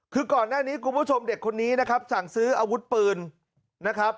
คือก่อนหน้านี้คุณผู้ชมเด็กคนนี้นะครับสั่งซื้ออาวุธปืนนะครับ